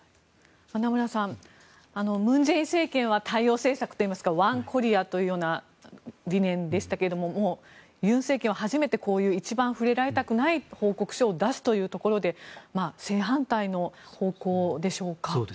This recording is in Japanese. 名村さん、文在寅政権は太陽政策といいますかワンコリアというような理念でしたけれども尹政権は初めてこういう一番触れられたくない報告書を出すというところで正反対の方向でしょうか。